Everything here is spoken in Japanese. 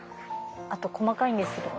あと細かいんですけど。